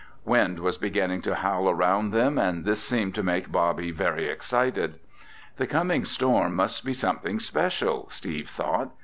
Wind was beginning to howl around them and this seemed to make Bobby very excited. The coming storm must be something special, Steve thought.